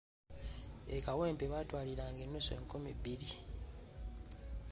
E kawempe baatwaliranga nnusu enkumi bbiri!